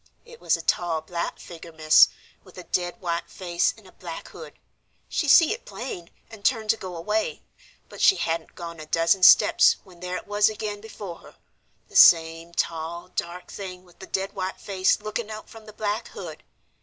"It was a tall, black figger, miss, with a dead white face and a black hood. She see it plain, and turned to go away, but she hadn't gone a dozen steps when there it was again before her, the same tall, dark thing with the dead white face looking out from the black hood.